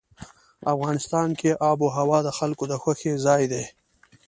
افغانستان کې آب وهوا د خلکو د خوښې ځای دی.